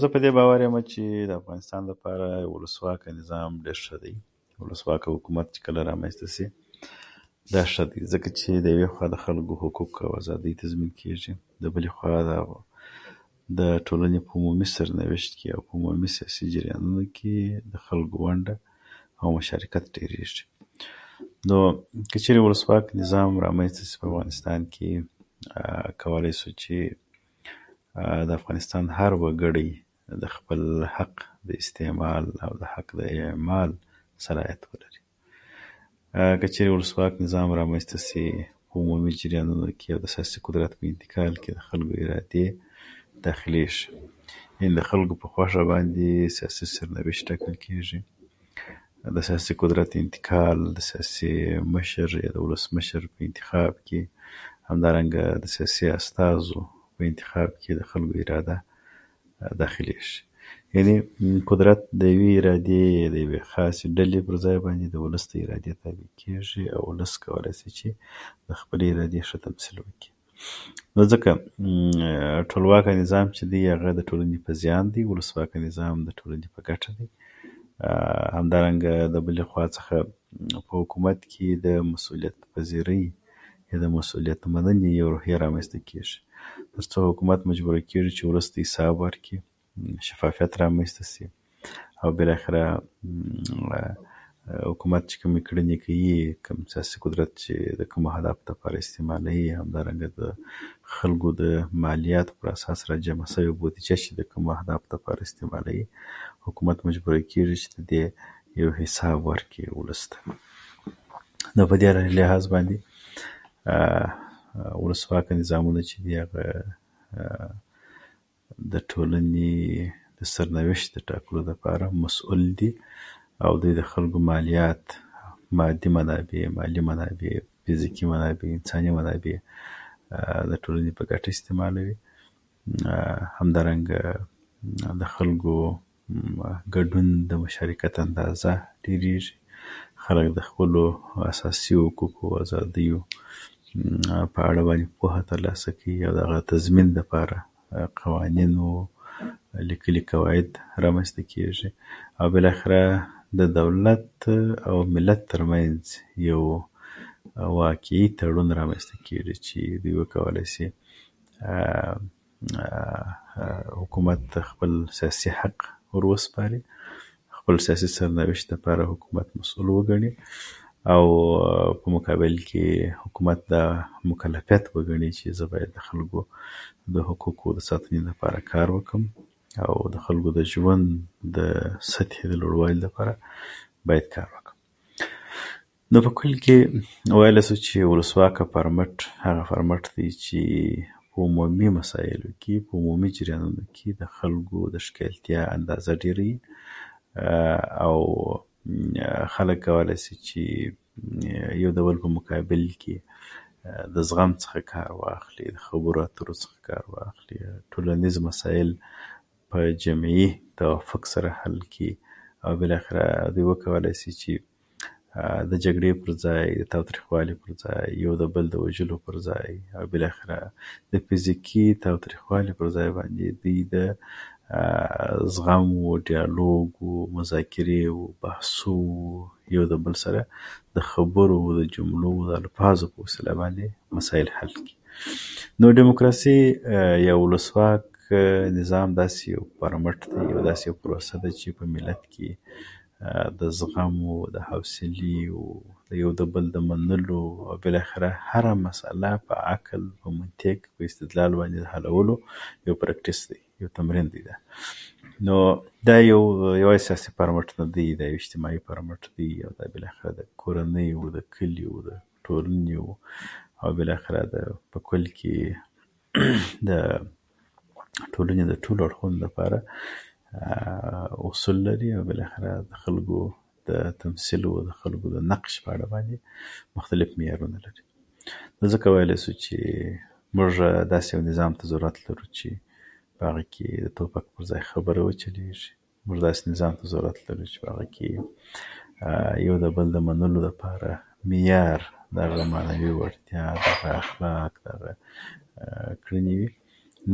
زه په دې باور یمه چې د افغانستان لپاره ولسواکه نظام ډېر شه دی. ولسواکه حکومت چې کله رامنځته شي، دا شه دی، ځکه چې د یوې خوا د خلکو حقوق او ازادۍ تضمین کېږي، د بلې خوا د ټولنې عمومي سرنوشت یا عمومي سیاسي جريانونو کې د خلکو ونډه او مشارکت ډيېژي. نو که چېزې ولسواک نظام رامنځته شي په افغانستان کې، کولای سو چې د افغانستان هر وګړی د خپل حق د استعمال او د حق اعمال صلاحیت ولري. که چیرې ولسواک نظام رامنځته سي، عمومي جريانونو کې، او د اساسي قدرت په انتقال کې، د خلکو ارادې داخليژي؛ يعنې د خلکو په خوښه باندې سیاسي سرنوشت ټاکل کېږي. د سیاسي قدرت انتقال، د سیاسي مشر یا د ولسمشر پّ انتخاب کې، همدارنګه د سياسي استازو په انتخاب کې د خلکو اراده داخليژي؛ یعنې قدرت د یوې ارادې، د يوې خاصې ډلې پرځای باندې، د ولس [unintelligible] د ارادې تابع کېژي، او ولس کولای شي چې د خپلې ارادې شه تمثیل وکړي. نو ځکه ټولواکه نظام چې دی، اغه د ټولنې په زيان دی، او ولسواکه نظام د ټولنې په ګټه دی. همدارنګه، د بلې خوا څخه، په حکومت کې د مسولیت پذيرۍ يا د مسوليت مننې یو روحیه رامنځته کېږي، تر څو حکومت مجبور کېږي چې ولس ته حساب ورکړي، شفافیت رامنځته شي، او بالاخره حکومت چې کومې کړنې کيي، یا کوم سیاسي قدرت چې د کومو حالاتو لپاره استعماليي، همدارنګه د خلکو د مالياتو په اساس راجمع بودجه چې د کومو اهدافو لپاره استعماليي، حکومت مجبوره کېژي چې د دې یو حساب ورکړي ولس ته. دا په دې لحاظ باندې، ولسواکه نظامونه چې دي، د اغه د ټولنې د سرنوشت د ټاکلو لپاره مسول دي، او د وی د خلکو ماليات، مادي منابع، مالي منابع، فزيکي منابع، انساني منابع د ټولنې په ګټه استعماليي. همدارنګه د خلکو ګډون، د مشارکت اندازه ډيريژي. خلک د خپلو اساسي حقوقو، ازاديو په اړه باندې پوهه ترلاسه کوي، او د هغه تضمين دپاره قوانین و ليکلي قواعد رامنځته کېږي، او بالاخره د دولت او ملت تر منځ یو واقعي تړون رامنځته کېږي، چې دوی وکولای سي حکومت خپل سياسي حق وروسپاري، خپل سیاسي سرنوشت لپاره حکومت خپل مسول وګڼي، او په مقابل کې حکومت دا مکلفيت وګڼي چې زه باید د خلکو د حقوقو د ساتنې لپاره کار وکړم، او د خلکو د ژوند د سطحې د لوړوالي لپاره باید کار وکم. د ا په کل کې ویلای سو چې ولسواکه فارمټ هغه فارمټ دی چې عمومي مسایلو کې، عمومي جريانونو کې د خلکو د شکیلتیا اندازه ډيريي، او خلک کولای سي چې یوبل په مقابل کې د زغم څخه کار واخلي، د خبرو اترو څخه کار واخلي، ټولنیز مسایل په جمعی توافق سره حل کي، او بالاخره وکولای سي چې د جګړې پرځای، د تاوتريخوالي پرځای، یود بل د وژلو پرځای، او بالاخره د فزيکي تاوتريخوالي پرځای باندې، دوی د زغم و ډيالوګ و مذاکرې و بحثو و یو بل سره د خبرو د جملو الفاظو په وسیله باندې مسایل حل کي. د ډيموکراسۍ يا ولسواک نظام داسې يو فارمټ، داسې یو پروسه ده، چې په ملت کې د زغم و د حوصلې و د یو بل د منلو، او بالاخره هره مسله په عقل او په منطق او استدلال باندې د حلولو یو پرېکټس دی، یو تمرین دی. دا نو دا یو یو یوازې سیاسي فارمټ نه دی، دا یو اجتماعي فارمټ دی، یو بالاخره د کورنۍ، کلي او ټولنې، او بالاخره په کل کې د ټولنې د ټولو اړخونو لپاره اصول لري، او بالاخره د خلکو د تمثیل او د خلکو د نقش په اړه باندې مختلف معیارونه لري. نو ځکه ویلای شو چې موژ داسې یو نظام ته ضرورت لرو چې د ټوپک پرځای خبره وچلېژي. موژ داسې نظام ته ضرورت لرو چې هغه کې د یوبل د منلو لپاره معیار د هغه معنوي وړتيا، اخلاق، هغه [unintelligible]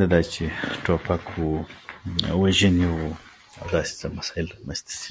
نه دا چې ټوپک و وژنې و داسې څه مسایل رامنځته شي.